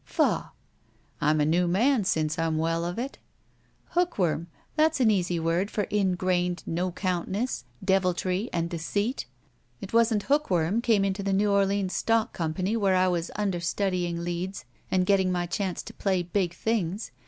Faugh!" I'm a new man since I'm well of it." . Hookworm! That's an easy word for ingrained no 'cotmtness, deviltry, and deceit. It wasn't i6i THE SMUDGE hookworm came into the New Orleans stock cmn pany where I was understudying leads and getting my chance to play big things.